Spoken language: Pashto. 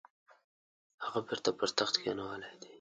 هغه بیرته پر تخت کښېنولی دی.